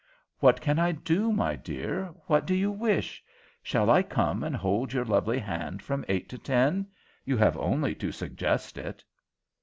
"What can I do, my dear? What do you wish? Shall I come and hold your lovely hand from eight to ten? You have only to suggest it."